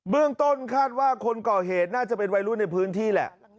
เรื่องต้นคาดว่าคนก่อเหตุน่าจะเป็นวัยรุ่นในพื้นที่แหละ